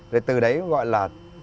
rồi từ đấy gọi là